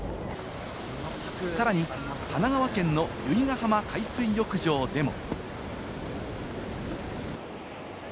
さらに神奈川県の由比ガ浜海水浴場でも。